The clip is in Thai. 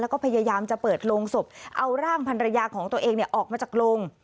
แล้วก็พยายามจะเปิดโรงศพเอาร่างพันรยาของตัวเองออกมาจากโรง